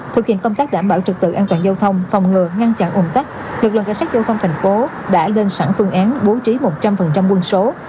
thực hiện công tác đảm bảo trực tự an toàn giao thông phòng ngừa ngăn chặn ủng tắc lực lượng cảnh sát giao thông thành phố đã lên sẵn phương án bố trí một trăm linh quân số